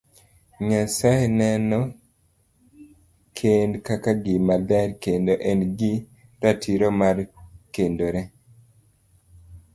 Nyasaye neno kend kaka gima ler kendo en gi ratiro mar kendore.